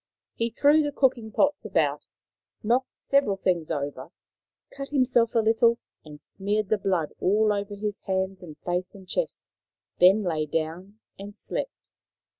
He threw the cooking pots about, knocked several things over, cut himself a little and smeared the blood over his hands and face and chest, then lay down and slept.